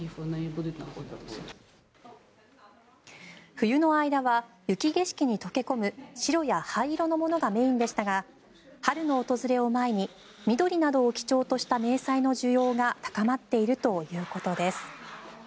冬の間は雪景色に溶け込む白や灰色のものがメインでしたが春の訪れを前に緑などを基調とした迷彩の需要が高まっているということです。